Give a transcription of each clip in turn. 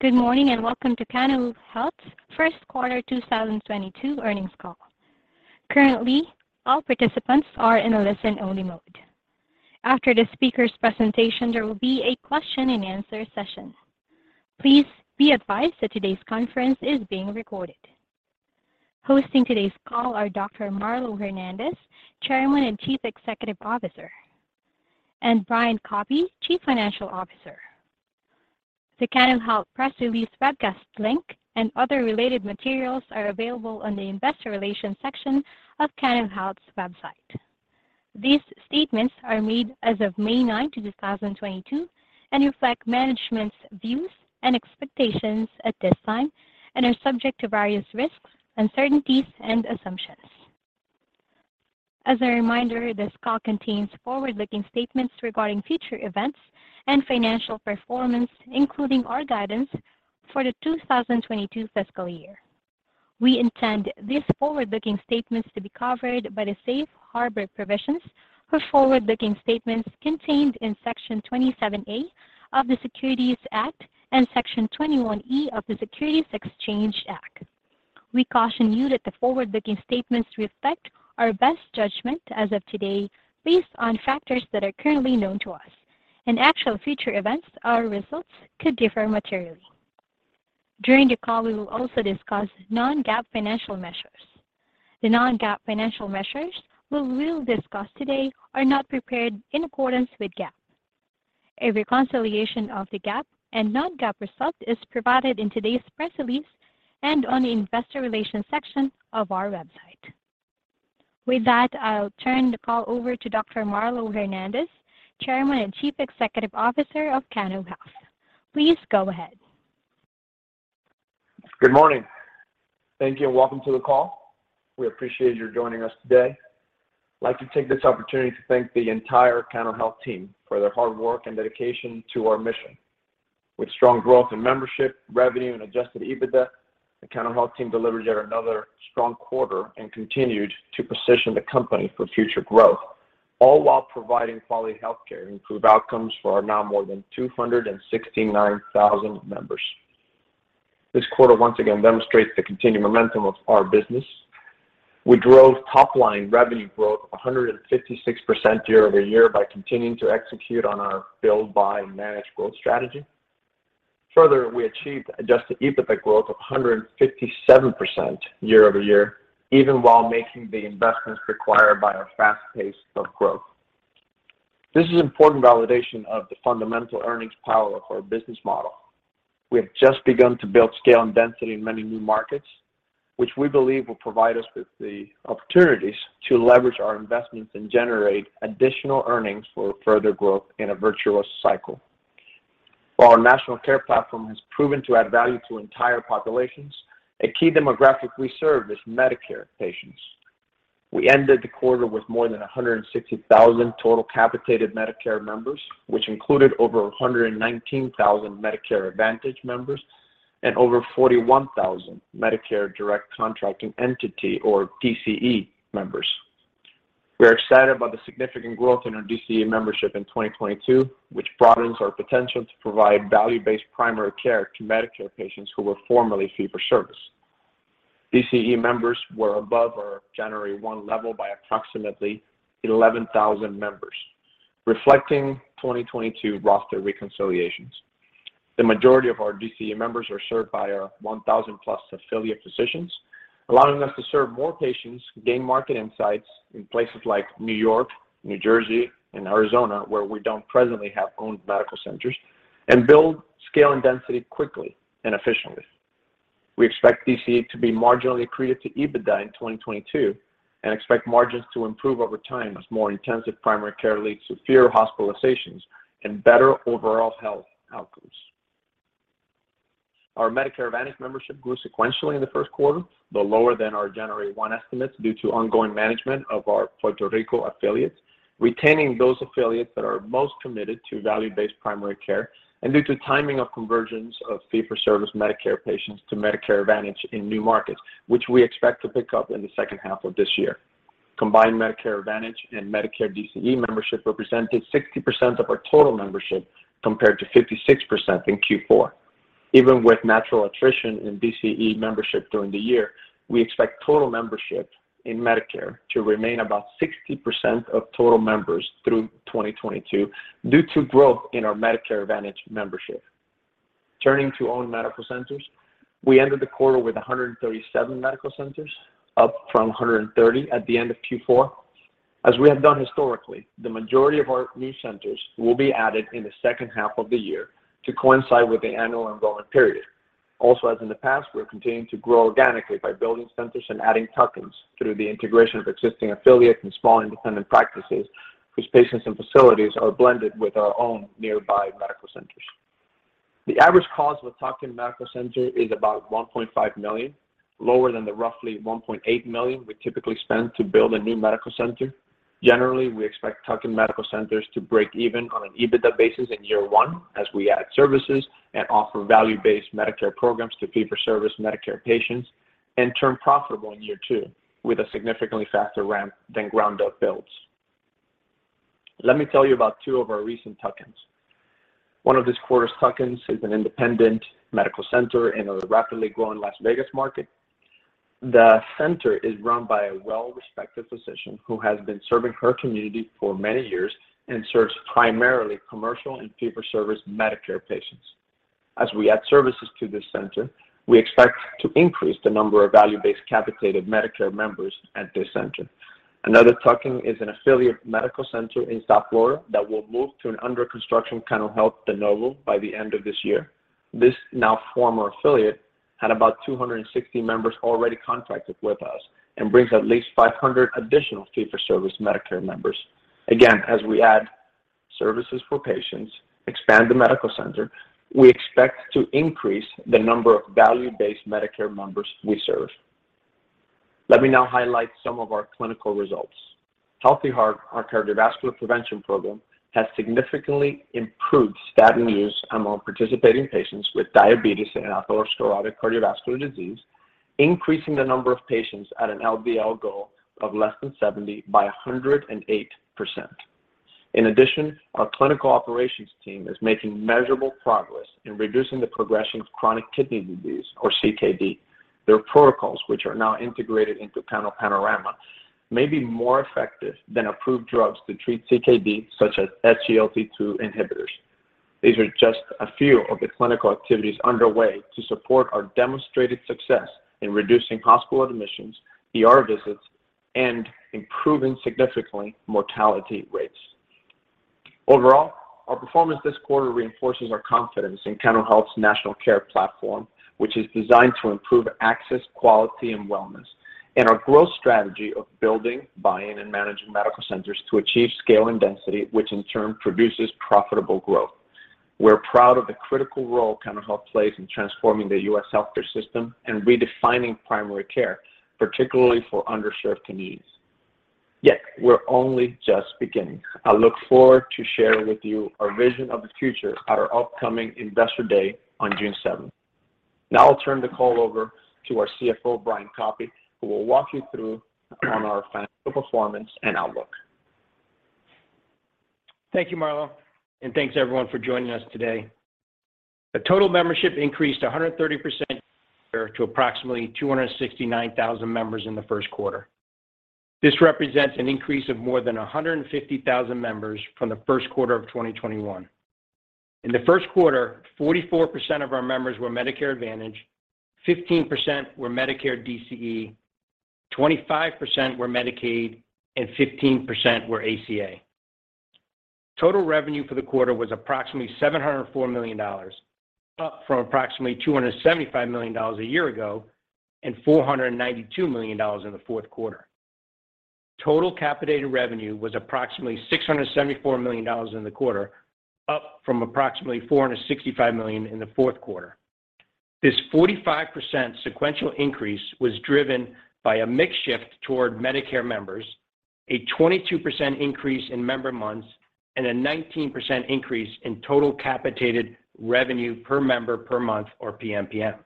Good morning, and welcome to Cano Health's first quarter 2022 earnings call. Currently, all participants are in a listen-only mode. After the speaker's presentation, there will be a question and answer session. Please be advised that today's conference is being recorded. Hosting today's call are Dr. Marlow Hernandez, Chairman and Chief Executive Officer, and Brian Koppy, Chief Financial Officer. The Cano Health press release webcast link and other related materials are available on the investor relations section of Cano Health's website. These statements are made as of May 9, 2022, and reflect management's views and expectations at this time and are subject to various risks, uncertainties and assumptions. As a reminder, this call contains forward-looking statements regarding future events and financial performance, including our guidance for the 2022 fiscal year. We intend these forward-looking statements to be covered by the safe harbor provisions for forward-looking statements contained in Section 27A of the Securities Act and Section 21E of the Securities Exchange Act. We caution you that the forward-looking statements reflect our best judgment as of today based on factors that are currently known to us and actual future events, our results could differ materially. During the call, we will also discuss non-GAAP financial measures. The non-GAAP financial measures we will discuss today are not prepared in accordance with GAAP. A reconciliation of the GAAP and non-GAAP results is provided in today's press release and on the investor relations section of our website. With that, I'll turn the call over to Dr. Marlow Hernandez, Chairman and Chief Executive Officer of Cano Health. Please go ahead. Good morning. Thank you and welcome to the call. We appreciate your joining us today. I'd like to take this opportunity to thank the entire Cano Health team for their hard work and dedication to our mission. With strong growth in membership, revenue, and adjusted EBITDA, the Cano Health team delivered yet another strong quarter and continued to position the company for future growth, all while providing quality healthcare and improve outcomes for our now more than 269,000 members. This quarter once again demonstrates the continued momentum of our business. We drove top-line revenue growth 156% year-over-year by continuing to execute on our build, buy, manage growth strategy. Further, we achieved adjusted EBITDA growth of 157% year-over-year even while making the investments required by our fast pace of growth. This is important validation of the fundamental earnings power of our business model. We have just begun to build scale and density in many new markets, which we believe will provide us with the opportunities to leverage our investments and generate additional earnings for further growth in a virtuous cycle. While our national care platform has proven to add value to entire populations, a key demographic we serve is Medicare patients. We ended the quarter with more than 160,000 total capitated Medicare members, which included over 119,000 Medicare Advantage members and over 41,000 Medicare Direct Contracting Entity or DCE members. We are excited about the significant growth in our DCE membership in 2022, which broadens our potential to provide value-based primary care to Medicare patients who were formerly fee-for-service. DCE members were above our January 1 level by approximately 11,000 members, reflecting 2022 roster reconciliations. The majority of our DCE members are served by our 1,000+ affiliate physicians, allowing us to serve more patients, gain market insights in places like New York, New Jersey and Arizona, where we don't presently have owned medical centers, and build scale and density quickly and efficiently. We expect DCE to be marginally accretive to EBITDA in 2022 and expect margins to improve over time as more intensive primary care leads to fewer hospitalizations and better overall health outcomes. Our Medicare Advantage membership grew sequentially in the first quarter, though lower than our January one estimates due to ongoing management of our Puerto Rico affiliates, retaining those affiliates that are most committed to value-based primary care and due to timing of conversions of fee-for-service Medicare patients to Medicare Advantage in new markets, which we expect to pick up in the second half of this year. Combined Medicare Advantage and Medicare DCE membership represented 60% of our total membership compared to 56% in Q4. Even with natural attrition in DCE membership during the year, we expect total membership in Medicare to remain about 60% of total members through 2022 due to growth in our Medicare Advantage membership. Turning to owned medical centers, we ended the quarter with 137 medical centers, up from 130 at the end of Q4. As we have done historically, the majority of our new centers will be added in the second half of the year to coincide with the annual enrollment period. Also, as in the past, we're continuing to grow organically by building centers and adding tuck-ins through the integration of existing affiliates and small independent practices, whose patients and facilities are blended with our own nearby medical centers. The average cost of a tuck-in medical center is about $1.5 million, lower than the roughly $1.8 million we typically spend to build a new medical center. Generally, we expect tuck-in medical centers to break even on an EBITDA basis in year one as we add services and offer value-based Medicare programs to fee-for-service Medicare patients and turn profitable in year two with a significantly faster ramp than ground-up builds. Let me tell you about two of our recent tuck-ins. One of this quarter's tuck-ins is an independent medical center in a rapidly growing Las Vegas market. The center is run by a well-respected physician who has been serving her community for many years and serves primarily commercial and fee-for-service Medicare patients. As we add services to this center, we expect to increase the number of value-based capitated Medicare members at this center. Another tuck-in is an affiliate medical center in South Florida that will move to an under-construction Cano Health de novo by the end of this year. This now former affiliate had about 260 members already contracted with us and brings at least 500 additional fee-for-service Medicare members. Again, as we add services for patients, expand the medical center, we expect to increase the number of value-based Medicare members we serve. Let me now highlight some of our clinical results. Healthy Heart, our cardiovascular prevention program, has significantly improved statin use among participating patients with diabetes and atherosclerotic cardiovascular disease, increasing the number of patients at an LDL goal of less than 70% by 108%. In addition, our clinical operations team is making measurable progress in reducing the progression of chronic kidney disease, or CKD. Their protocols, which are now integrated into Cano Panorama, may be more effective than approved drugs to treat CKD, such as SGLT2 inhibitors. These are just a few of the clinical activities underway to support our demonstrated success in reducing hospital admissions, ER visits, and improving significantly mortality rates. Overall, our performance this quarter reinforces our confidence in Cano Health's national care platform, which is designed to improve access, quality, and wellness, and our growth strategy of building, buying, and managing medical centers to achieve scale and density, which in turn produces profitable growth. We're proud of the critical role Cano Health plays in transforming the U.S. healthcare system and redefining primary care, particularly for underserved communities. Yet, we're only just beginning. I look forward to sharing with you our vision of the future at our upcoming Investor Day on June seventh. Now I'll turn the call over to our CFO, Brian Koppy, who will walk you through our financial performance and outlook. Thank you, Marlow, and thanks everyone for joining us today. The total membership increased 130% to approximately 269,000 members in the first quarter. This represents an increase of more than 150,000 members from the first quarter of 2021. In the first quarter, 44% of our members were Medicare Advantage, 15% were Medicare DCE, 25% were Medicaid, and 15% were ACA. Total revenue for the quarter was approximately $704 million, up from approximately $275 million a year ago and $492 million in the fourth quarter. Total capitated revenue was approximately $674 million in the quarter, up from approximately $465 million in the fourth quarter. This 45% sequential increase was driven by a mix shift toward Medicare members, a 22% increase in member months, and a 19% increase in total capitated revenue per member per month, or PMPM.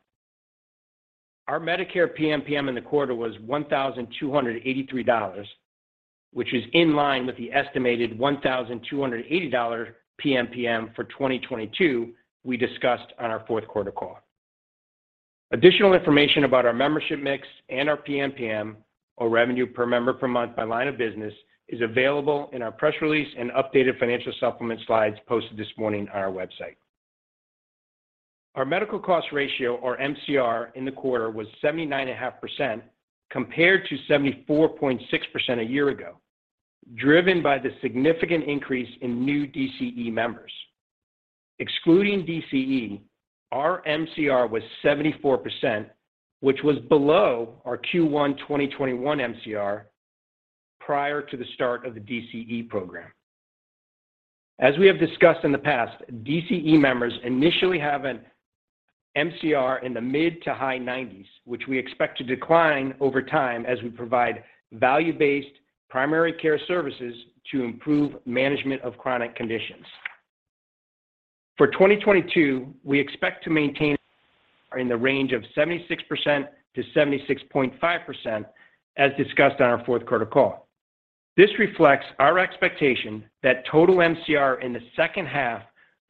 Our Medicare PMPM in the quarter was $1,283, which is in line with the estimated $1,280 PMPM for 2022 we discussed on our fourth quarter call. Additional information about our membership mix and our PMPM, or revenue per member per month by line of business, is available in our press release and updated financial supplement slides posted this morning on our website. Our medical cost ratio, or MCR, in the quarter was 79.5% compared to 74.6% a year ago, driven by the significant increase in new DCE members. Excluding DCE, our MCR was 74%, which was below our Q1 2021 MCR prior to the start of the DCE program. As we have discussed in the past, DCE members initially have an MCR in the mid- to high 90s, which we expect to decline over time as we provide value-based primary care services to improve management of chronic conditions. For 2022, we expect to maintain in the range of 76%-76.5%, as discussed on our fourth quarter call. This reflects our expectation that total MCR in the second half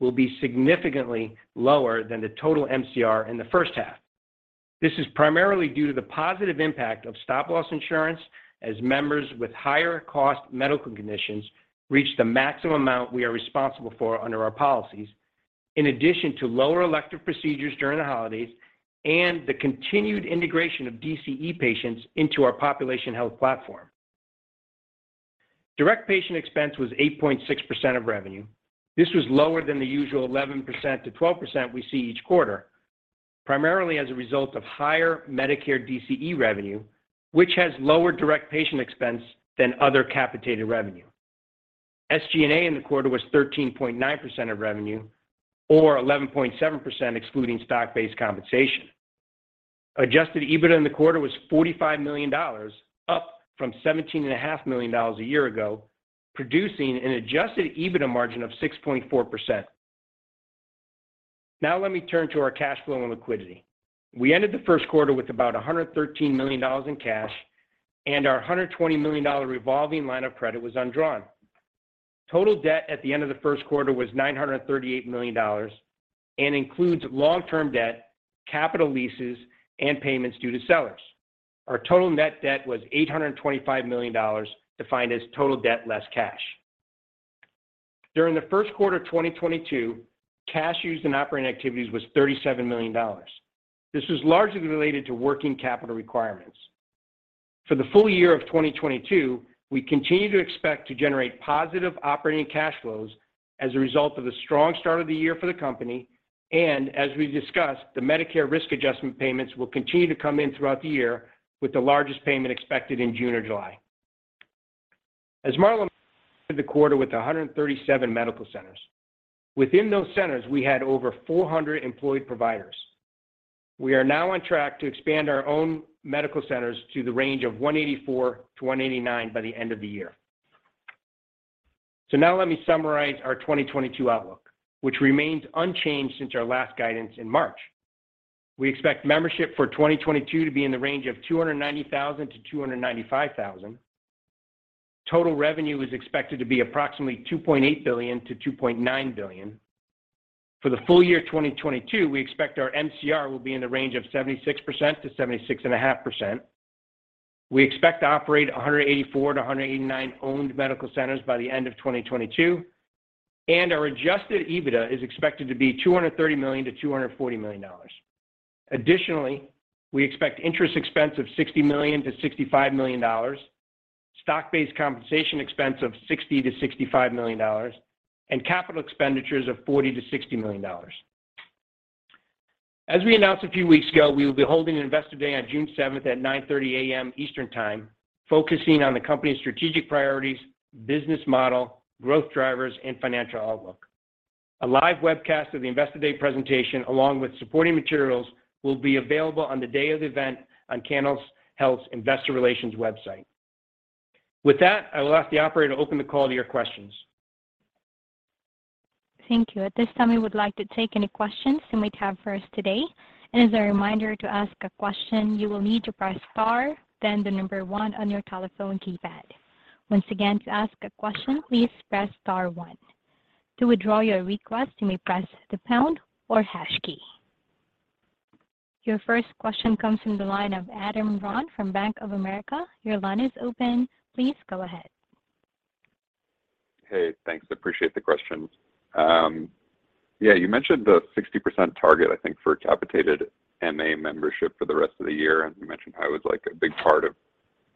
will be significantly lower than the total MCR in the first half. This is primarily due to the positive impact of stop-loss insurance as members with higher cost medical conditions reach the maximum amount we are responsible for under our policies, in addition to lower elective procedures during the holidays and the continued integration of DCE patients into our population health platform. Direct patient expense was 8.6% of revenue. This was lower than the usual 11%-12% we see each quarter, primarily as a result of higher Medicare DCE revenue, which has lower direct patient expense than other capitated revenue. SG&A in the quarter was 13.9% of revenue, or 11.7% excluding stock-based compensation. Adjusted EBITDA in the quarter was $45 million, up from $17.5 million a year ago, producing an adjusted EBITDA margin of 6.4%. Now let me turn to our cash flow and liquidity. We ended the first quarter with about $113 million in cash, and our $120 million revolving line of credit was undrawn. Total debt at the end of the first quarter was $938 million and includes long-term debt, capital leases, and payments due to sellers. Our total net debt was $825 million, defined as total debt less cash. During the first quarter of 2022, cash used in operating activities was $37 million. This was largely related to working capital requirements. For the full year of 2022, we continue to expect to generate positive operating cash flows as a result of the strong start of the year for the company. As we discussed, the Medicare risk adjustment payments will continue to come in throughout the year with the largest payment expected in June or July. We ended the quarter with 137 medical centers. Within those centers, we had over 400 employed providers. We are now on track to expand our own medical centers to the range of 184-189 by the end of the year. Now let me summarize our 2022 outlook, which remains unchanged since our last guidance in March. We expect membership for 2022 to be in the range of 290,000-295,000. Total revenue is expected to be approximately $2.8 billion-$2.9 billion. For the full year 2022, we expect our MCR will be in the range of 76%-76.5%. We expect to operate 184-189 owned medical centers by the end of 2022, and our adjusted EBITDA is expected to be $230 million-$240 million. Additionally, we expect interest expense of $60 million-$65 million, stock-based compensation expense of $60 million-$65 million, and capital expenditures of $40 million-$60 million. We announced a few weeks ago we will be holding an Investor Day on June 7th at 9:30 A.M. Eastern Time, focusing on the company's strategic priorities, business model, growth drivers, and financial outlook. A live webcast of the Investor Day presentation, along with supporting materials, will be available on the day of the event on Cano Health's Investor Relations website. With that, I will ask the operator to open the call to your questions. Thank you. At this time, we would like to take any questions you may have for us today. As a reminder, to ask a question, you will need to press star then the number one on your telephone keypad. Once again, to ask a question, please press star one. To withdraw your request, you may press the pound or hash key. Your first question comes from the line of Adam Ron from Bank of America. Your line is open. Please go ahead. Hey, thanks. Appreciate the questions. Yeah, you mentioned the 60% target, I think, for capitated MA membership for the rest of the year. You mentioned how it was, like, a big part of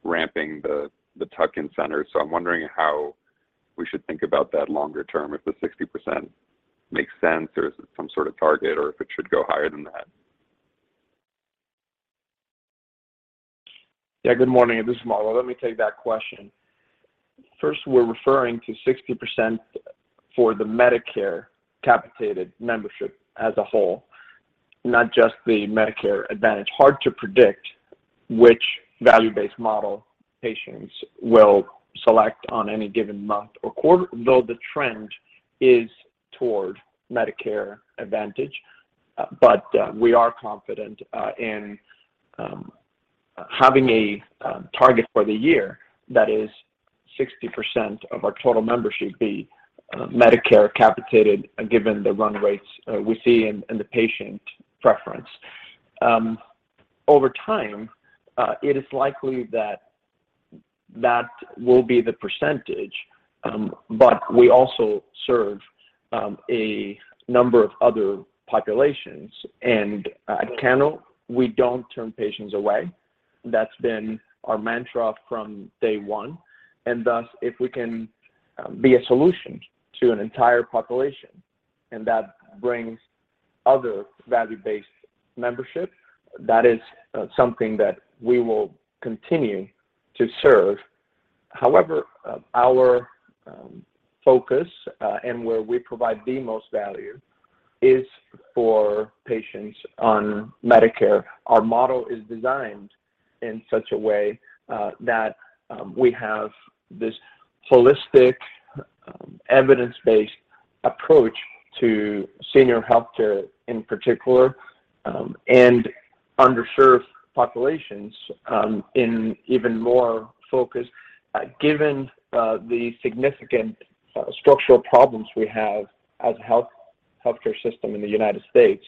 ramping the tuck-in centers. I'm wondering how we should think about that longer term, if the 60% makes sense or is it some sort of target, or if it should go higher than that? Yeah, good morning. This is Marlow. Let me take that question. First, we're referring to 60% for the Medicare capitated membership as a whole, not just the Medicare Advantage. Hard to predict which value-based model patients will select on any given month or quarter, though the trend is toward Medicare Advantage. But we are confident in having a target for the year that is 60% of our total membership be Medicare capitated given the run rates we see in the patient preference. Over time, it is likely that will be the percentage, but we also serve a number of other populations. At Cano, we don't turn patients away. That's been our mantra from day one, and thus, if we can be a solution to an entire population, and that brings other value-based membership, that is something that we will continue to serve. However, our focus and where we provide the most value is for patients on Medicare. Our model is designed in such a way that we have this holistic evidence-based approach to senior healthcare in particular and underserved populations in even more focus given the significant structural problems we have as a healthcare system in the United States.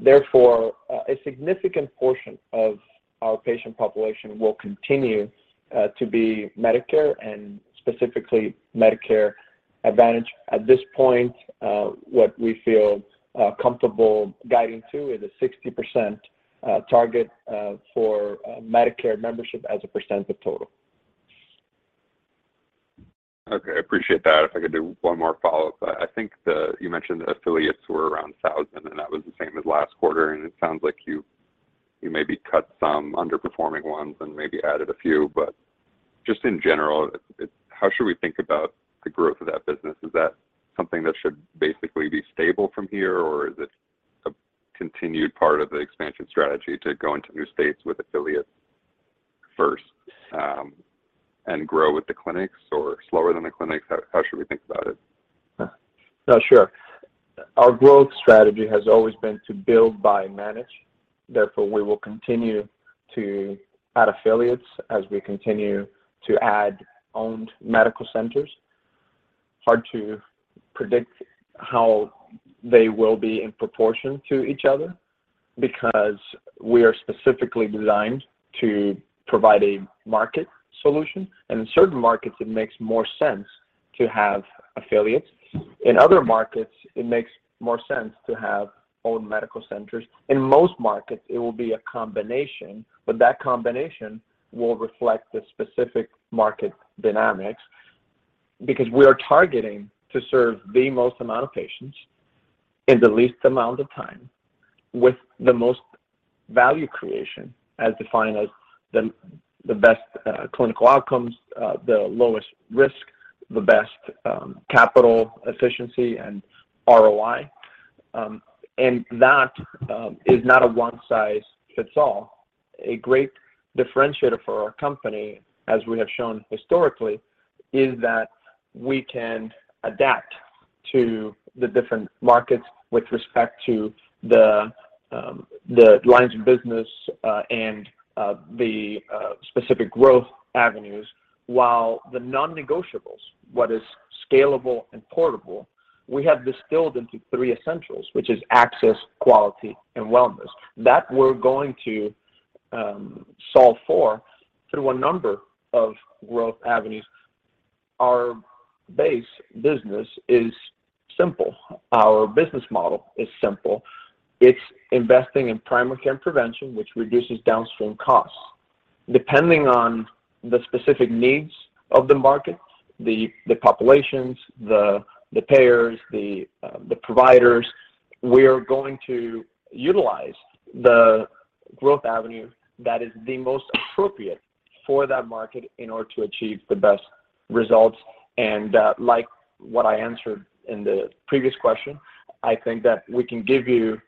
Therefore, a significant portion of our patient population will continue to be Medicare and specifically Medicare Advantage. At this point, what we feel comfortable guiding to is a 60% target for Medicare membership as a percent of total. Okay. I appreciate that. If I could do one more follow-up. I think the—you mentioned the affiliates were around 1,000, and that was the same as last quarter. It sounds like you maybe cut some underperforming ones and maybe added a few. Just in general, it—how should we think about the growth of that business? Is that something that should basically be stable from here, or is it a continued part of the expansion strategy to go into new states with affiliates first? Grow with the clinics or slower than the clinics? How should we think about it? Our growth strategy has always been to build, buy, manage. Therefore, we will continue to add affiliates as we continue to add owned medical centers. Hard to predict how they will be in proportion to each other because we are specifically designed to provide a market solution. In certain markets, it makes more sense to have affiliates. In other markets, it makes more sense to have owned medical centers. In most markets, it will be a combination, but that combination will reflect the specific market dynamics because we are targeting to serve the most amount of patients in the least amount of time with the most value creation as defined as the best clinical outcomes, the lowest risk, the best capital efficiency and ROI. And that is not a one-size-fits-all. A great differentiator for our company, as we have shown historically, is that we can adapt to the different markets with respect to the lines of business, and the specific growth avenues, while the non-negotiables, what is scalable and portable, we have distilled into three essentials, which is access, quality, and wellness. That we're going to solve for through a number of growth avenues. Our base business is simple. Our business model is simple. It's investing in primary care prevention, which reduces downstream costs. Depending on the specific needs of the market, the populations, the payers, the providers, we are going to utilize the growth avenue that is the most appropriate for that market in order to achieve the best results. Like what I answered in the previous question, I think that we can give you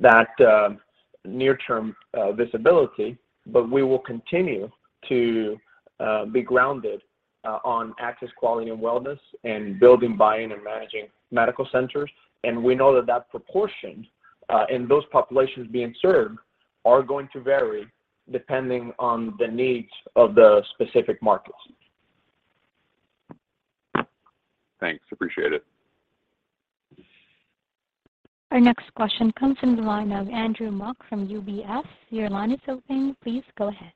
that near-term visibility, but we will continue to be grounded on access, quality, and wellness and building, buying, and managing medical centers. We know that that proportion and those populations being served are going to vary depending on the needs of the specific markets. Thanks. Appreciate it. Our next question comes from the line of Andrew Mok from UBS. Your line is open. Please go ahead.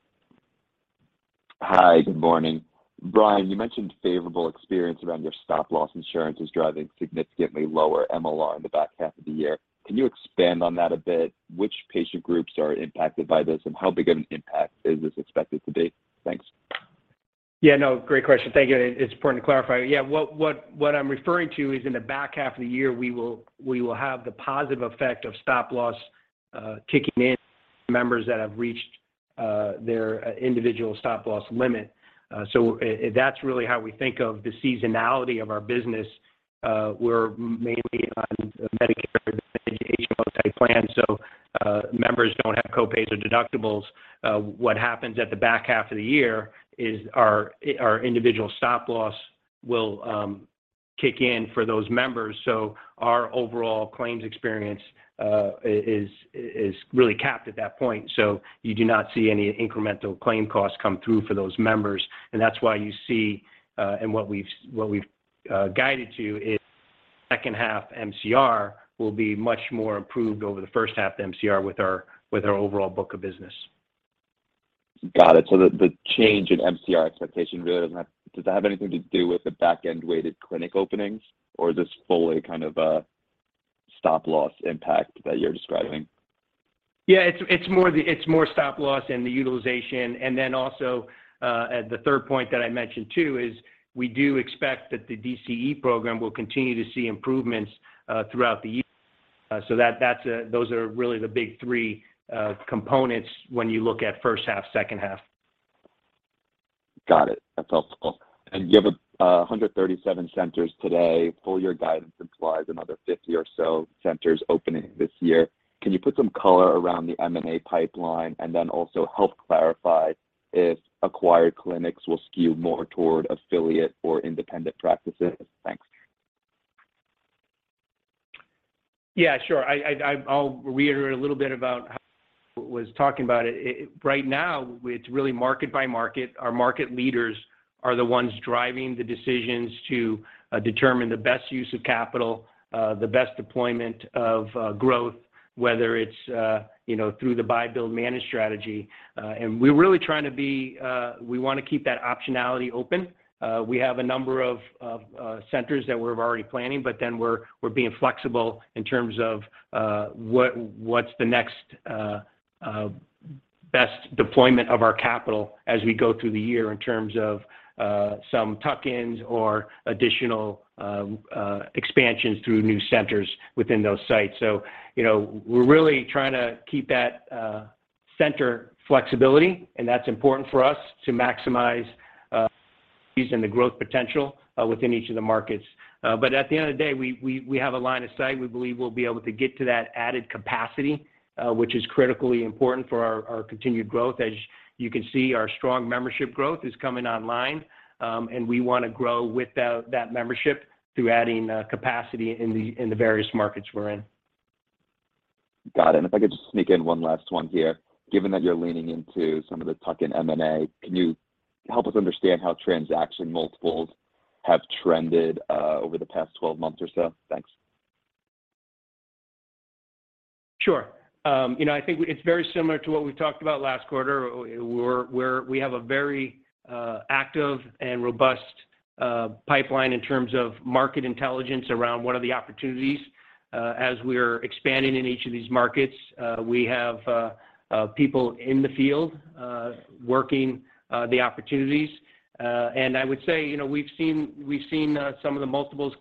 Hi. Good morning. Brian, you mentioned favorable experience around your stop-loss insurance is driving significantly lower MLR in the back half of the year. Can you expand on that a bit? Which patient groups are impacted by this, and how big of an impact is this expected to be? Thanks. Yeah, no, great question. Thank you. It's important to clarify. Yeah. What I'm referring to is in the back half of the year, we will have the positive effect of stop-loss kicking in members that have reached their individual stop-loss limit. So that's really how we think of the seasonality of our business. We're mainly on Medicare Advantage HMO type plan, so members don't have co-pays or deductibles. What happens at the back half of the year is our individual stop-loss will kick in for those members. So our overall claims experience is really capped at that point. So you do not see any incremental claim costs come through for those members. That's why you see, and what we've guided you is second half MCR will be much more improved over the first half MCR with our overall book of business. Got it. Does it have anything to do with the back-end weighted clinic openings, or is this fully kind of a stop-loss impact that you're describing? Yeah, it's more the stop-loss and the utilization. Then also, the third point that I mentioned, too, is we do expect that the DCE program will continue to see improvements throughout the year. Those are really the big three components when you look at first half, second half. Got it. That's helpful. You have 137 centers today. Full year guidance implies another 50 or so centers opening this year. Can you put some color around the M&A pipeline and then also help clarify if acquired clinics will skew more toward affiliate or independent practices? Thanks. Yeah, sure. I'll reiterate a little bit about how I was talking about it. Right now, it's really market by market. Our market leaders are the ones driving the decisions to determine the best use of capital, the best deployment of growth, whether it's, you know, through the buy, build, manage strategy. We're really trying to be, we wanna keep that optionality open. We have a number of centers that we're already planning, but then we're being flexible in terms of what's the next best deployment of our capital as we go through the year in terms of some tuck-ins or additional expansions through new centers within those sites. You know, we're really trying to keep that center flexibility, and that's important for us to maximize using the growth potential within each of the markets. At the end of the day, we have a line of sight. We believe we'll be able to get to that added capacity, which is critically important for our continued growth. As you can see, our strong membership growth is coming online, and we wanna grow without that membership through adding capacity in the various markets we're in. Got it. If I could just sneak in one last one here. Given that you're leaning into some of the tuck-in M&A, can you help us understand how transaction multiples have trended over the past 12 months or so? Thanks. Sure. You know, I think it's very similar to what we talked about last quarter. We have a very active and robust pipeline in terms of market intelligence around what are the opportunities as we're expanding in each of these markets. We have people in the field working the opportunities. I would say, you know, we've seen some of the multiples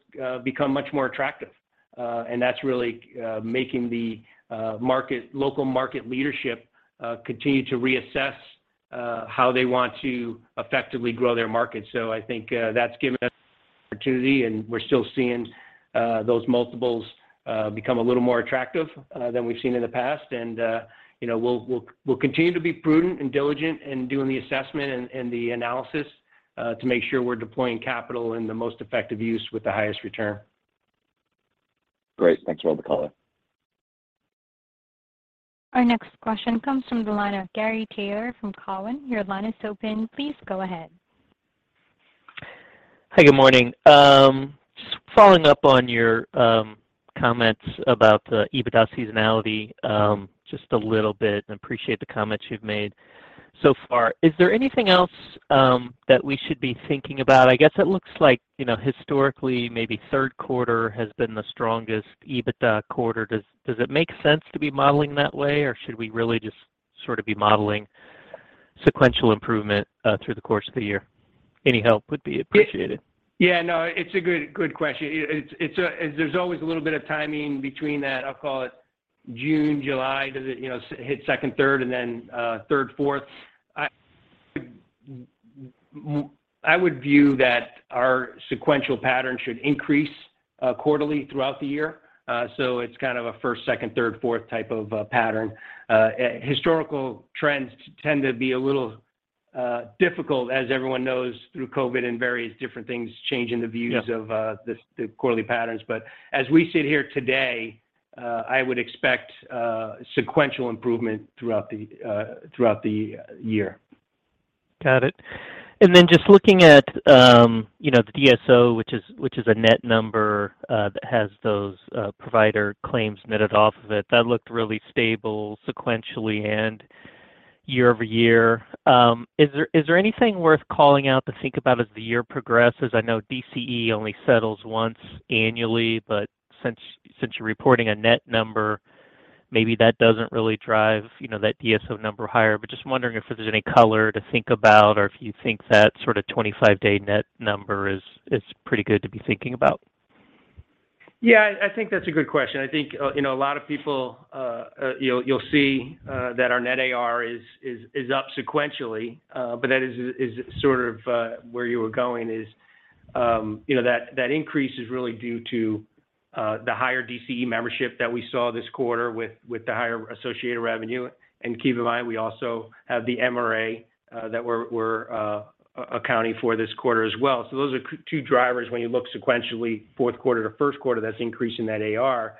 become much more attractive, and that's really making the local market leadership continue to reassess how they want to effectively grow their market. I think that's given us opportunity, and we're still seeing those multiples become a little more attractive than we've seen in the past. You know, we'll continue to be prudent and diligent in doing the assessment and the analysis to make sure we're deploying capital in the most effective use with the highest return. Great. Thanks for all the color. Our next question comes from the line of Gary Taylor from Cowen. Your line is open. Please go ahead. Hi, good morning. Just following up on your, comments about the EBITDA seasonality, just a little bit. I appreciate the comments you've made so far. Is there anything else, that we should be thinking about? I guess it looks like, you know, historically, maybe third quarter has been the strongest EBITDA quarter. Does it make sense to be modeling that way, or should we really just sort of be modeling sequential improvement, through the course of the year? Any help would be appreciated. Yeah, no, it's a good question. There's always a little bit of timing between that, I'll call it June, July. Does it, you know, hit second, third, and then third, fourth? I would view that our sequential pattern should increase quarterly throughout the year. So it's kind of a first, second, third, fourth type of pattern. Historical trends tend to be a little difficult, as everyone knows, through COVID and various different things changing the views of the quarterly patterns. As we sit here today, I would expect sequential improvement throughout the year. Got it. Just looking at, you know, the DSO, which is a net number, that has those provider claims netted off of it. That looked really stable sequentially and year-over-year. Is there anything worth calling out to think about as the year progresses? I know DCE only settles once annually, but since you're reporting a net number, maybe that doesn't really drive, you know, that DSO number higher. Just wondering if there's any color to think about or if you think that sort of 25-day net number is pretty good to be thinking about. Yeah, I think that's a good question. I think, you know, a lot of people, you'll see that our net AR is up sequentially, but that is sort of where you were going is, you know, that increase is really due to the higher DCE membership that we saw this quarter with the higher associated revenue. Keep in mind, we also have the MRA that we're accounting for this quarter as well. Those are two drivers when you look sequentially fourth quarter to first quarter that's increasing that AR.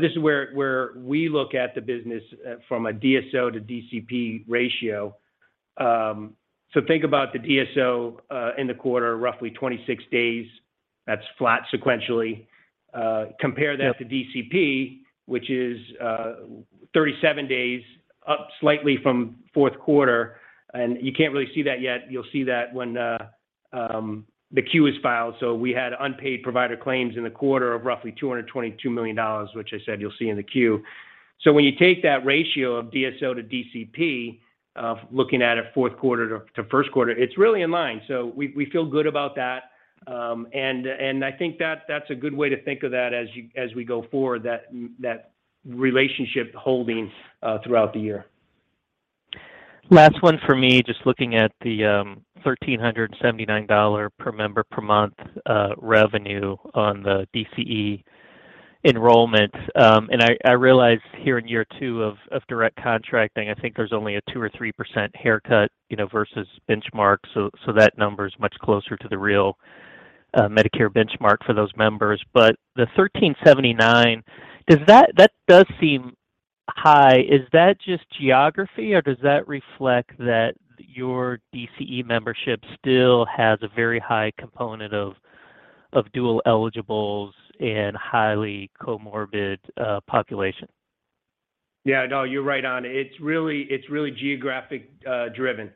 This is where we look at the business from a DSO to DCP ratio. Think about the DSO in the quarter, roughly 26 days. That's flat sequentially. Compare that to DCP, which is 37 days, up slightly from fourth quarter, and you can't really see that yet. You'll see that when the Q is filed. We had unpaid provider claims in the quarter of roughly $222 million, which I said you'll see in the Q. When you take that ratio of DSO to DCP, looking at it fourth quarter to first quarter, it's really in line. We feel good about that. I think that's a good way to think of that as we go forward, that relationship holds throughout the year. Last one for me. Just looking at the $1,379 per member per month revenue on the DCE enrollment. I realize here in year 2 of direct contracting. I think there's only a 2%-3% haircut, you know, versus benchmark. That number is much closer to the real Medicare benchmark for those members. The 1,379 does seem high. Is that just geography, or does that reflect that your DCE membership still has a very high component of dual eligibles and highly comorbid population? Yeah, no, you're right on. It's really geographic driven.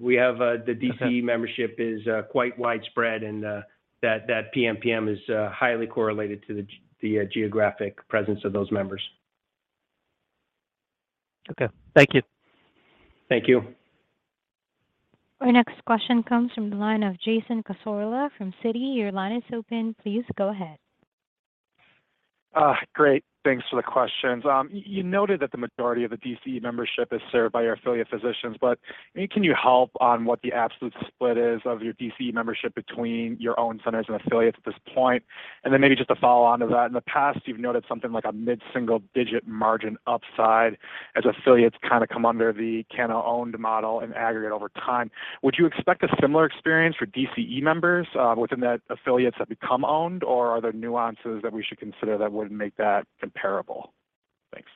We have the DCE membership is quite widespread, and that PMPM is highly correlated to the geographic presence of those members. Okay. Thank you. Thank you. Our next question comes from the line of Jason Cassorla from Citi. Your line is open. Please go ahead. Great. Thanks for the questions. You noted that the majority of the DCE membership is served by our affiliate physicians, but maybe can you help on what the absolute split is of your DCE membership between your own centers and affiliates at this point? Then maybe just to follow on to that, in the past, you've noted something like a mid-single digit margin upside as affiliates kinda come under the kind of owned model and aggregate over time. Would you expect a similar experience for DCE members within the affiliates that become owned, or are there nuances that we should consider that wouldn't make that comparable? Thanks.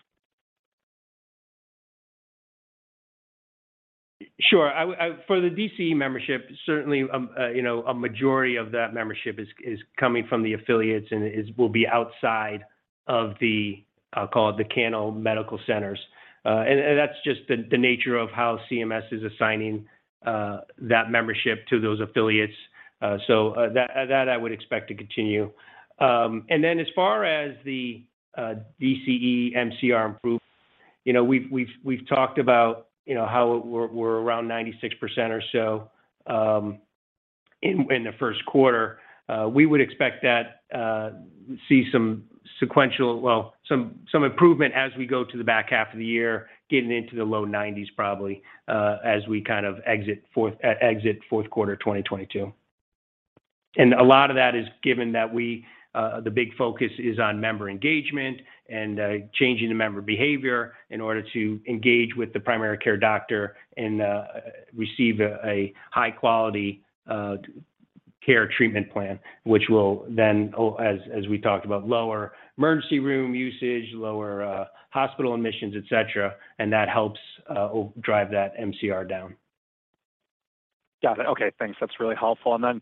Sure. For the DCE membership, certainly, you know, a majority of that membership is coming from the affiliates and will be outside of the so-called Cano Medical Centers. That's just the nature of how CMS is assigning that membership to those affiliates. That I would expect to continue. As far as the DCE MCR improvement, you know, we've talked about, you know, how we're around 96% or so in the first quarter. We would expect to see some sequential improvement as we go to the back half of the year, getting into the low 90s, probably, as we kind of exit fourth quarter of 2022. A lot of that is given that we, the big focus is on member engagement and, changing the member behavior in order to engage with the primary care doctor and, receive a high quality care treatment plan, which will then, as we talked about, lower emergency room usage, lower hospital admissions, et cetera, and that helps drive that MCR down. Got it. Okay. Thanks. That's really helpful. Then,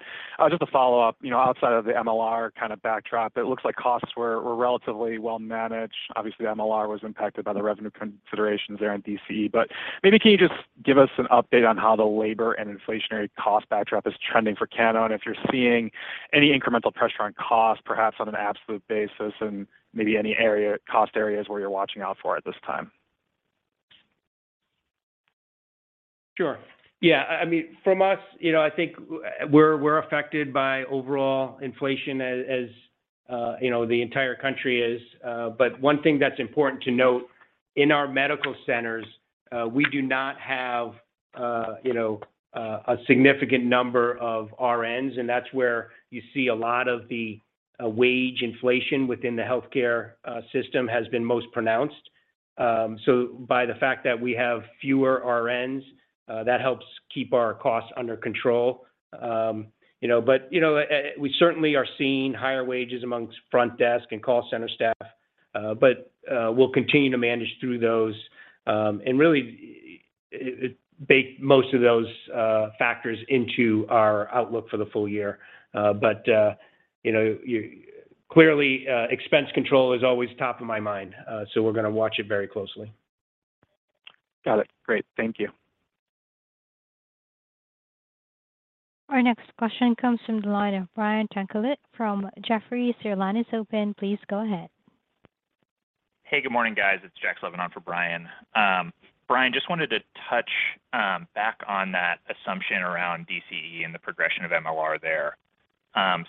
just to follow up, you know, outside of the MLR kind of backdrop, it looks like costs were relatively well managed. Obviously, MLR was impacted by the revenue considerations there in DCE. Maybe can you just give us an update on how the labor and inflationary cost backdrop is trending for Cano, and if you're seeing any incremental pressure on cost, perhaps on an absolute basis, and maybe any area, cost areas where you're watching out for at this time? Sure. Yeah. I mean, from us, you know, I think we're affected by overall inflation as, you know, the entire country is. One thing that's important to note, in our medical centers, we do not have, you know, a significant number of RNs, and that's where you see a lot of the wage inflation within the healthcare system, has been most pronounced. By the fact that we have fewer RNs, that helps keep our costs under control. You know, we certainly are seeing higher wages amongst front desk and call center staff, but we'll continue to manage through those and really bake most of those factors into our outlook for the full year. You know, clearly, expense control is always top of my mind, so we're gonna watch it very closely. Got it. Great. Thank you. Our next question comes from the line of Brian Tanquilut from Jefferies. Your line is open. Please go ahead. Hey, good morning, guys. It's Jack Slevin on for Brian. Brian, just wanted to touch back on that assumption around DCE and the progression of MLR there. I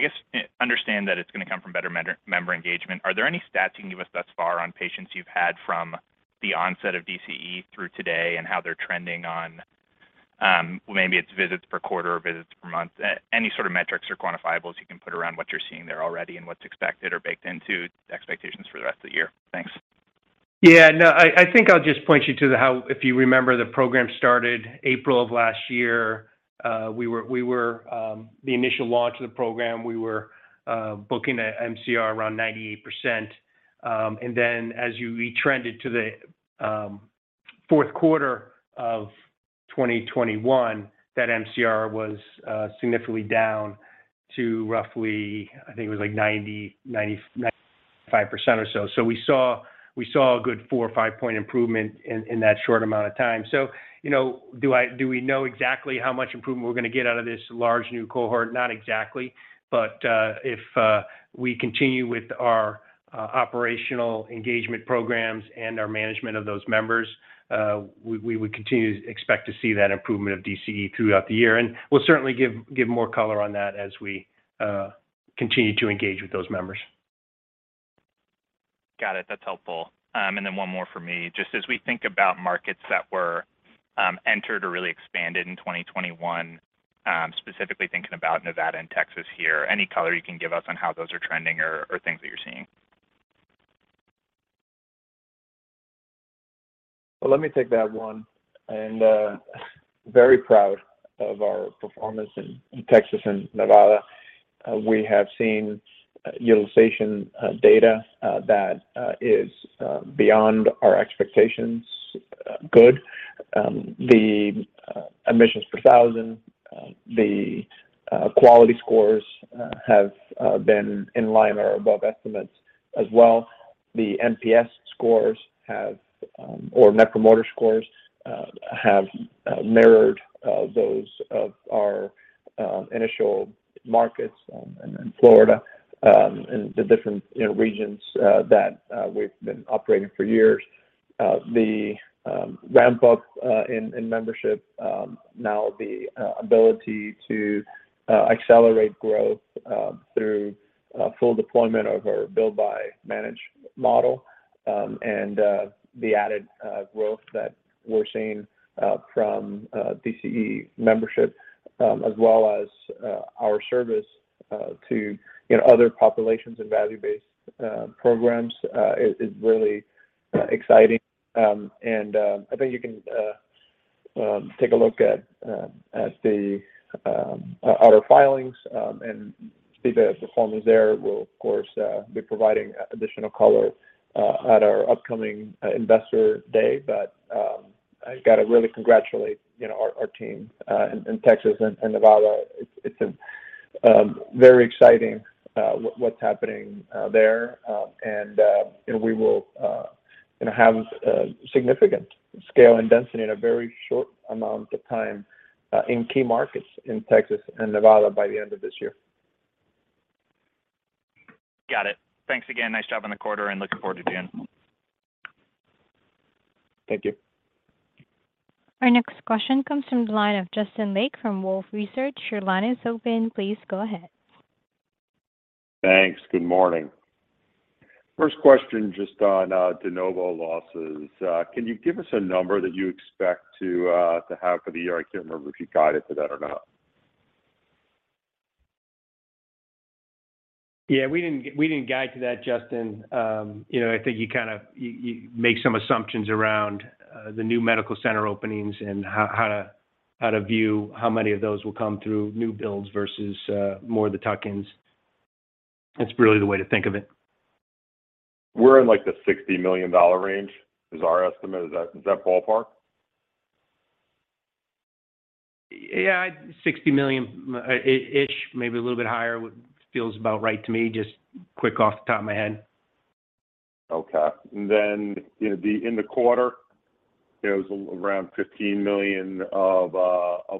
guess understand that it's gonna come from better member engagement. Are there any stats you can give us thus far on patients you've had from the onset of DCE through today and how they're trending on maybe it's visits per quarter or visits per month? Any sort of metrics or quantifiables you can put around what you're seeing there already and what's expected or baked into expectations for the rest of the year. Thanks. Yeah. No, I think I'll just point you to. If you remember, the program started April of last year. We were the initial launch of the program, we were booking at MCR around 98%. Then as you trended to the fourth quarter of 2021, that MCR was significantly down to roughly, I think it was like 95% or so. We saw a good 4- or 5-point improvement in that short amount of time. You know, do we know exactly how much improvement we're gonna get out of this large new cohort? Not exactly. If we continue with our operational engagement programs and our management of those members, we would continue to expect to see that improvement of DCE throughout the year. We'll certainly give more color on that as we continue to engage with those members. Got it. That's helpful. Then one more for me. Just as we think about markets that were entered or really expanded in 2021, specifically thinking about Nevada and Texas here, any color you can give us on how those are trending or things that you're seeing? Well, let me take that one. Very proud of our performance in Texas and Nevada. We have seen utilization data that is beyond our expectations. Good. The admissions per thousand, the quality scores, have been in line or above estimates as well. The NPS scores have or net promoter scores have mirrored those of our initial markets in Florida and the different, you know, regions that we've been operating for years. The ramp up in membership now the ability to accelerate growth through full deployment of our build by managed model and the added growth that we're seeing from DCE membership as well as our service to, you know, other populations and value-based programs is really exciting. I think you can take a look at our filings and see the performance there. We'll of course be providing additional color at our upcoming Investor Day. I've got to really congratulate, you know, our team in Texas and Nevada. It's very exciting what's happening there. You know, we will, you know, have significant scale and density in a very short amount of time in key markets in Texas and Nevada by the end of this year. Got it. Thanks again. Nice job on the quarter and looking forward to June. Thank you. Our next question comes from the line of Justin Lake from Wolfe Research. Your line is open. Please go ahead. Thanks. Good morning. First question, just on de novo losses. Can you give us a number that you expect to have for the year? I can't remember if you guided to that or not. Yeah, we didn't guide to that, Justin. You know, I think you kind of make some assumptions around the new medical center openings and how to view how many of those will come through new builds versus more of the tuck-ins. That's really the way to think of it. We're in, like, the $60 million range is our estimate. Is that ballpark? Yeah. $60 million-ish, maybe a little bit higher, feels about right to me, just quick off the top of my head. Okay. You know, in the quarter, it was around $15 million of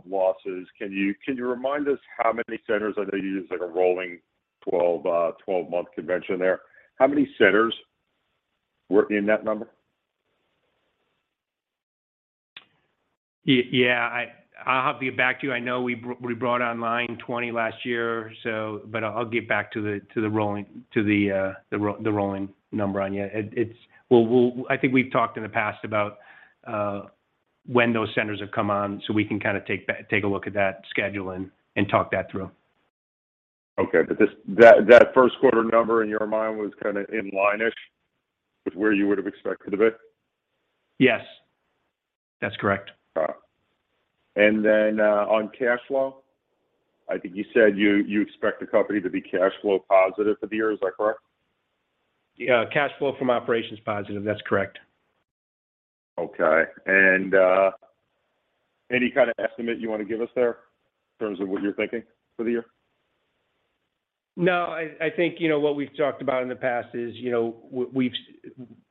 losses. Can you remind us how many centers? I know you use, like, a rolling 12-month convention there. How many centers were in that number? Yeah. I'll have to get back to you. I know we brought online 20 last year, so, but I'll get back to the rolling number on you. It's. We'll. I think we've talked in the past about when those centers have come on, so we can kind of take a look at that schedule and talk that through. Okay. That first quarter number in your mind was kind of in line-ish with where you would have expected it? Yes. That's correct. All right. On cash flow, I think you said you expect the company to be cash flow positive for the year. Is that correct? Yeah. Cash flow from operations positive, that's correct. Okay. Any kind of estimate you want to give us there in terms of what you're thinking for the year? No. I think, you know, what we've talked about in the past is, you know,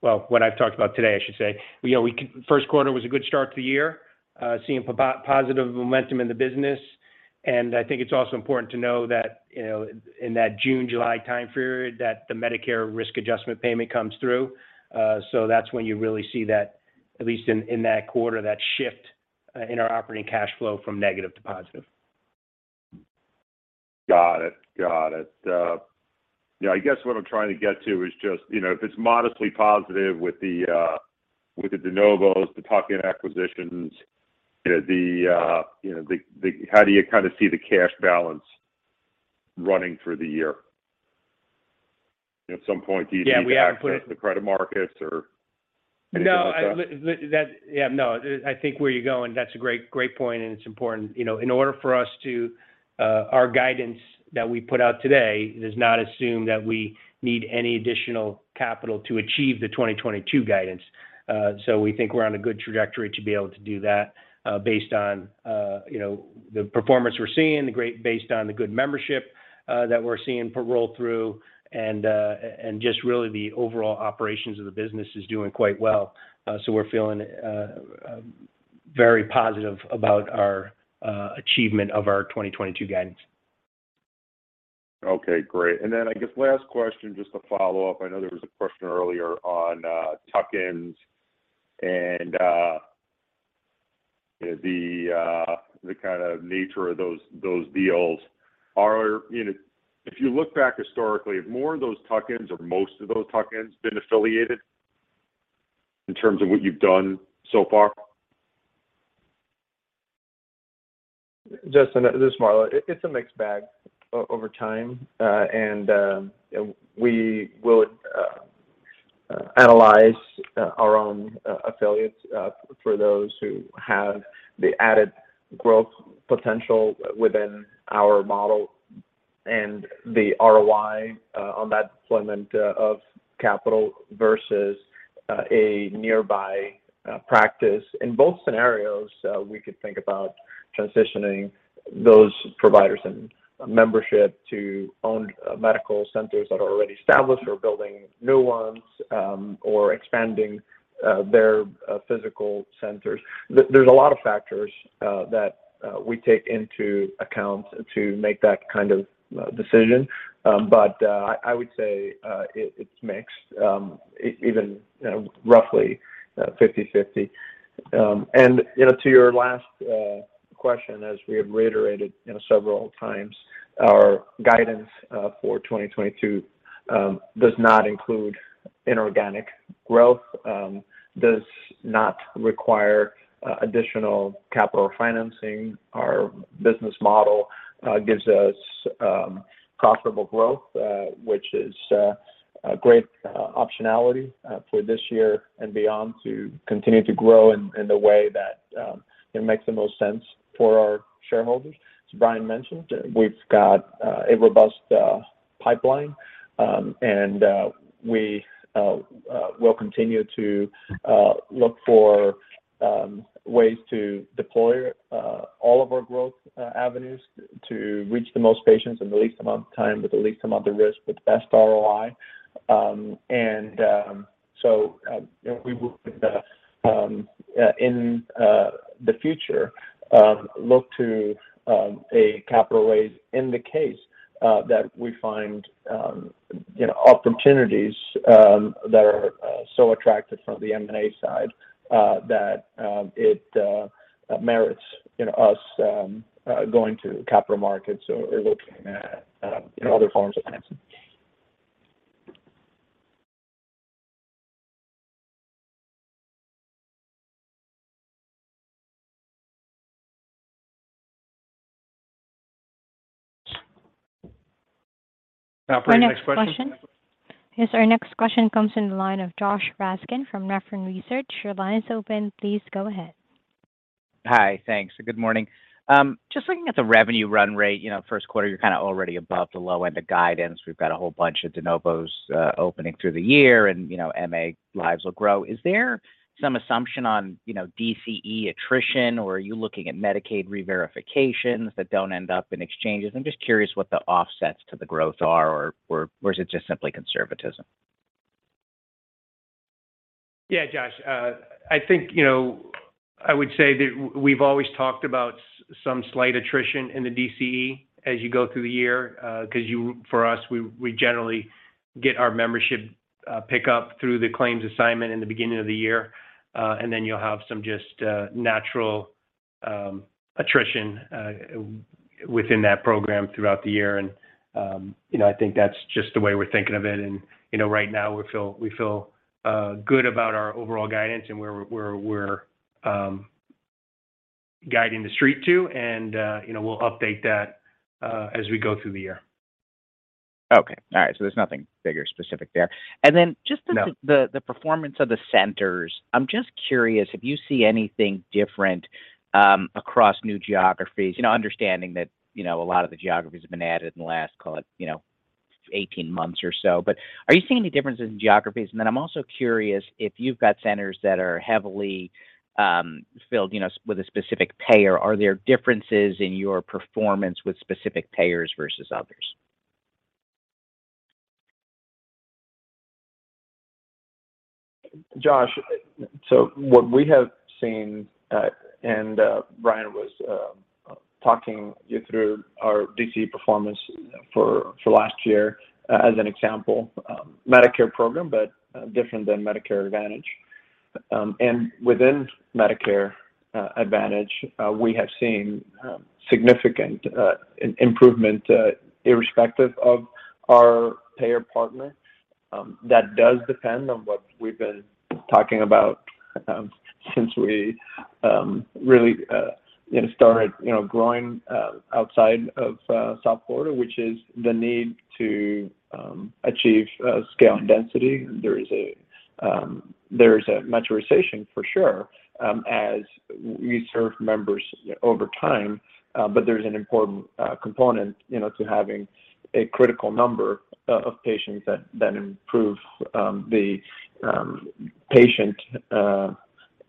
well, what I've talked about today, I should say, you know, first quarter was a good start to the year, seeing positive momentum in the business. I think it's also important to know that, you know, in that June, July time period, that the Medicare risk adjustment payment comes through. That's when you really see that, at least in that quarter, that shift in our operating cash flow from negative to positive. Got it. You know, I guess what I'm trying to get to is just, you know, if it's modestly positive with the de novos, the tuck-in acquisitions, you know, how do you kind of see the cash balance running through the year? You know, at some point, do you think you have to access the credit markets or anything like that? No. I think where you're going, that's a great point, and it's important. You know, our guidance that we put out today does not assume that we need any additional capital to achieve the 2022 guidance. So we think we're on a good trajectory to be able to do that, based on, you know, the performance we're seeing, based on the good membership that we're seeing roll through, and just really the overall operations of the business is doing quite well. So we're feeling very positive about our achievement of our 2022 guidance. Okay, great. I guess last question, just to follow up. I know there was a question earlier on, tuck-ins and, the kind of nature of those deals. You know, if you look back historically, have more of those tuck-ins or most of those tuck-ins been affiliated in terms of what you've done so far? Justin, this is Marlow. It's a mixed bag over time. We will analyze our own affiliates for those who have the added growth potential within our model and the ROI on that deployment of capital versus a nearby practice. In both scenarios, we could think about transitioning those providers and membership to owned medical centers that are already established or building new ones, or expanding their physical centers. There's a lot of factors that we take into account to make that kind of decision. I would say it's mixed, even, you know, roughly 50/50. You know, to your last question, as we have reiterated, you know, several times, our guidance for 2022 does not include inorganic growth, does not require additional capital financing. Our business model gives us profitable growth, which is a great optionality for this year and beyond to continue to grow in the way that it makes the most sense for our shareholders. As Brian mentioned, we've got a robust pipeline, and we will continue to look for ways to deploy all of our growth avenues to reach the most patients in the least amount of time with the least amount of risk with the best ROI. In the future, we will look to a capital raise in the case that we find, you know, opportunities that are so attractive from the M&A side that it merits, you know, us going to capital markets or looking at, you know, other forms of financing. Operator, next question. Yes, our next question comes from the line of Josh Raskin from Nephron Research. Your line is open. Please go ahead. Hi. Thanks. Good morning. Just looking at the revenue run rate, you know, first quarter, you're kinda already above the low end of guidance. We've got a whole bunch of de novos opening through the year and, you know, MA lives will grow. Is there some assumption on, you know, DCE attrition, or are you looking at Medicaid reverifications that don't end up in exchanges? I'm just curious what the offsets to the growth are, or is it just simply conservatism? Yeah. Josh, I think, you know, I would say that we've always talked about some slight attrition in the DCE as you go through the year, 'cause for us, we generally get our membership pick up through the claims assignment in the beginning of the year, and then you'll have some just natural attrition within that program throughout the year. You know, I think that's just the way we're thinking of it. You know, right now, we feel good about our overall guidance and where we're guiding the street to. You know, we'll update that as we go through the year. Okay. All right. There's nothing figure specific there. No. Just the performance of the centers, I'm just curious if you see anything different across new geographies, you know, understanding that, you know, a lot of the geographies have been added in the last, call it, you know, 18 months or so. Are you seeing any differences in geographies? I'm also curious if you've got centers that are heavily filled, you know, with a specific payer, are there differences in your performance with specific payers versus others? Josh, what we have seen, and Brian was talking you through our DCE performance for last year as an example, Medicare program, but different than Medicare Advantage. Within Medicare Advantage, we have seen significant improvement irrespective of our payer partner. That does depend on what we've been talking about since we really you know started you know growing outside of South Florida, which is the need to achieve scale and density. There is a maturation for sure as we serve members over time, but there's an important component you know to having a critical number of patients that improve the patient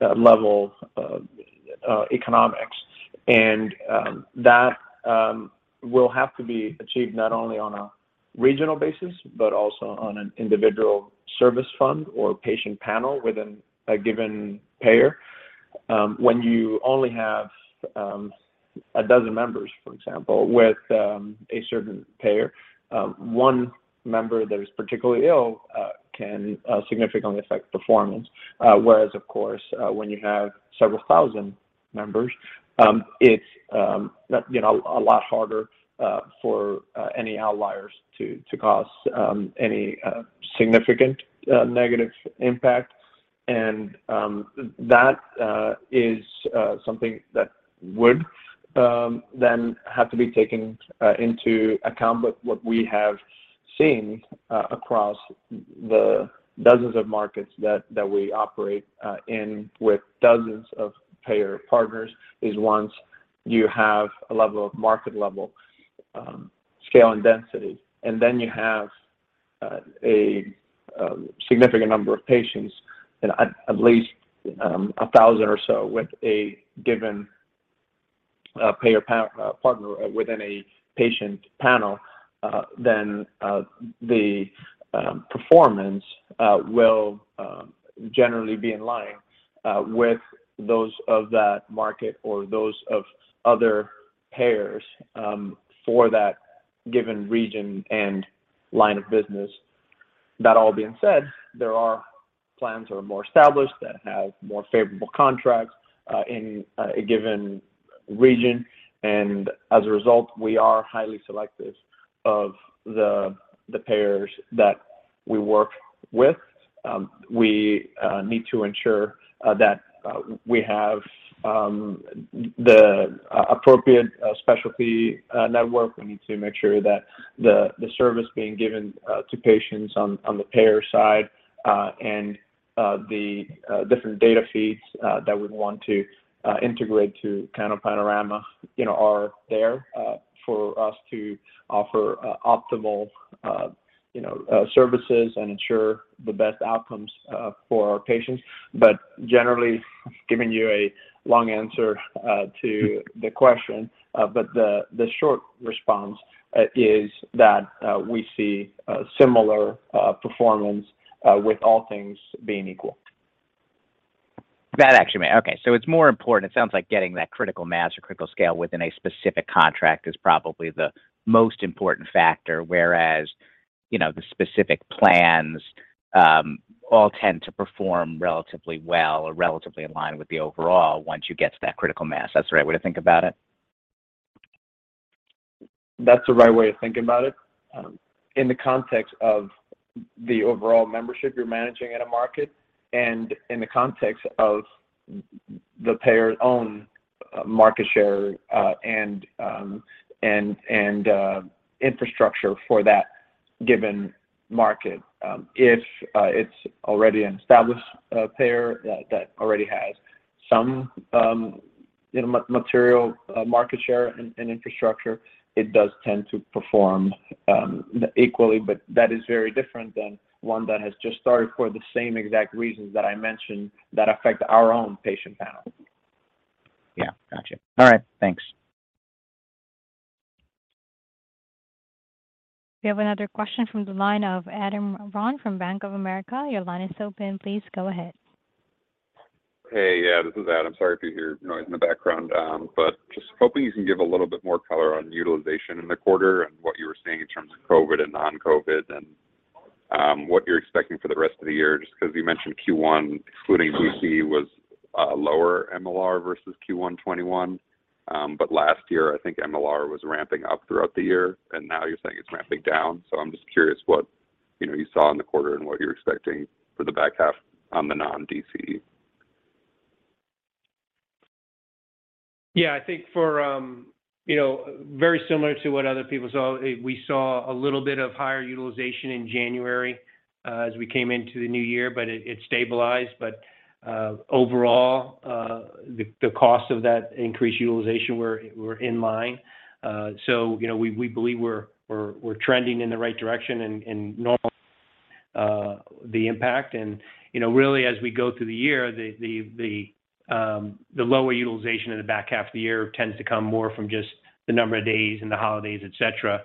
level of economics. That will have to be achieved not only on a regional basis, but also on an individual service fund or patient panel within a given payer. When you only have a dozen members, for example, with a certain payer, one member that is particularly ill can significantly affect performance. Whereas, of course, when you have several thousand members, it's you know a lot harder for any outliers to cause any significant negative impact. That is something that would then have to be taken into account. What we have seen across the dozens of markets that we operate in with dozens of payer partners is once you have a level of market scale and density, and then you have a significant number of patients and at least 1,000 or so with a given payer partner within a patient panel, then the performance will generally be in line with those of that market or those of other payers for that given region and line of business. That all being said, there are plans that are more established, that have more favorable contracts in a given region. As a result, we are highly selective of the payers that we work with. We need to ensure that we have the appropriate specialty network. We need to make sure that the service being given to patients on the payer side and the different data feeds that we want to integrate to kind of Panorama, you know, are there for us to offer optimal, you know, services and ensure the best outcomes for our patients. Generally giving you a long answer to the question. The short response is that we see similar performance with all things being equal. It's more important, it sounds like getting that critical mass or critical scale within a specific contract is probably the most important factor. Whereas, you know, the specific plans, all tend to perform relatively well or relatively in line with the overall once you get to that critical mass. That's the right way to think about it? That's the right way to think about it, in the context of the overall membership you're managing in a market and in the context of the payer's own market share and infrastructure for that given market. If it's already an established payer that already has some, you know, material market share and infrastructure, it does tend to perform equally, but that is very different than one that has just started for the same exact reasons that I mentioned that affect our own patient panel. Yeah. Gotcha. All right. Thanks. We have another question from the line of Adam Ron from Bank of America. Your line is open. Please go ahead. Hey. Yeah, this is Adam Ron. Sorry if you hear noise in the background. Just hoping you can give a little bit more color on utilization in the quarter and what you were seeing in terms of COVID and non-COVID, and what you're expecting for the rest of the year, just 'cause you mentioned Q1, including D.C., was lower MLR versus Q1 2021. Last year, I think MLR was ramping up throughout the year, and now you're saying it's ramping down. I'm just curious what, you know, you saw in the quarter and what you're expecting for the back half on the non-D.C. Yeah, I think, you know, very similar to what other people saw, we saw a little bit of higher utilization in January as we came into the new year, but it stabilized. Overall, the cost of that increased utilization were in line. You know, we believe we're trending in the right direction and normalizing the impact. You know, really as we go through the year, the lower utilization in the back half of the year tends to come more from just the number of days and the holidays, et cetera.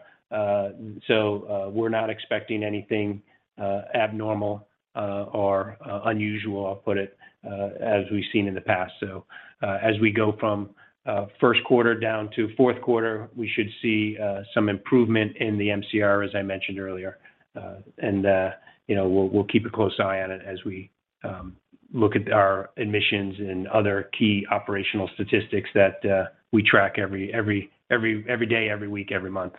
We're not expecting anything abnormal or unusual, I'll put it as we've seen in the past. As we go from first quarter down to fourth quarter, we should see some improvement in the MCR, as I mentioned earlier. You know, we'll keep a close eye on it as we look at our admissions and other key operational statistics that we track every day, every week, every month.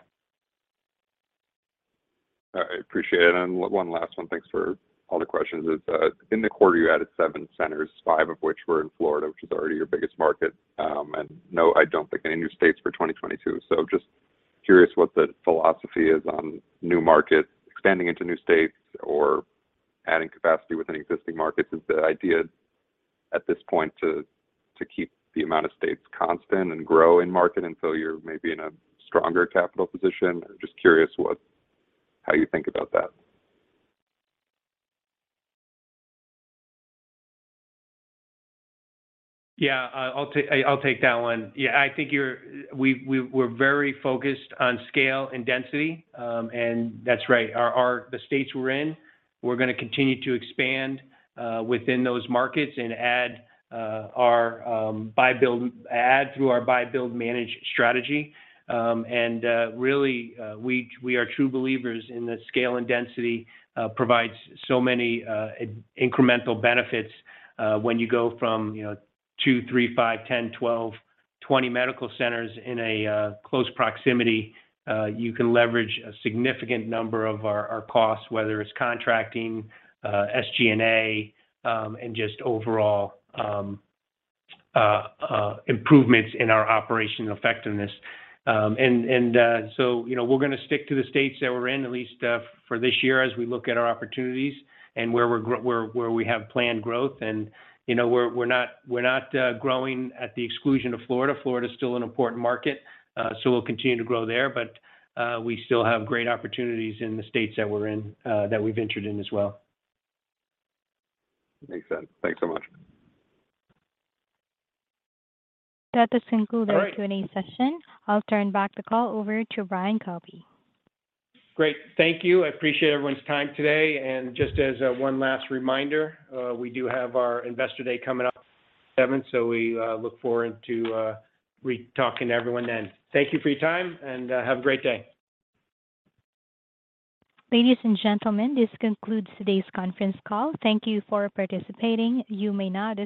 All right. Appreciate it. One last one. Thanks for all the questions. It's in the quarter, you added 7 centers, 5 of which were in Florida, which is already your biggest market. No, I don't think any new states for 2022. Just curious what the philosophy is on new markets, expanding into new states or adding capacity within existing markets. Is the idea at this point to keep the amount of states constant and grow in market until you're maybe in a stronger capital position? I'm just curious what how you think about that. Yeah. I'll take that one. We're very focused on scale and density. That's right. The states we're in, we're gonna continue to expand within those markets and add through our buy, build, manage strategy. We are true believers in the scale and density provides so many incremental benefits when you go from, you know, 2, 3, 5, 10, 12, 20 medical centers in a close proximity. You can leverage a significant number of our costs, whether it's contracting, SG&A, and just overall improvements in our operational effectiveness. You know, we're gonna stick to the states that we're in, at least, for this year as we look at our opportunities and where we have planned growth. You know, we're not growing at the exclusion of Florida. Florida is still an important market, so we'll continue to grow there. We still have great opportunities in the states that we're in that we've entered in as well. Makes sense. Thanks so much. That does conclude. All right. Our Q&A session. I'll turn back the call over to Brian Koppy. Great. Thank you. I appreciate everyone's time today. Just as one last reminder, we do have our investor day coming up seventh, so we look forward to re-talking to everyone then. Thank you for your time, and have a great day. Ladies and gentlemen, this concludes today's conference call. Thank you for participating. You may now disconnect.